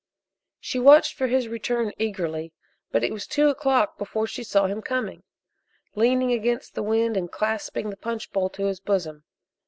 She watched for his return eagerly, but it was two o'clock before she saw him coming, leaning against the wind and clasping the punch bowl to his bosom.